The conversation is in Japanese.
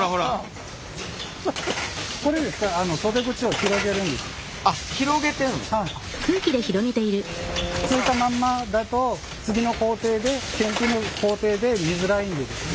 くっついたまんまだと次の工程で検品の工程で見づらいんでですね。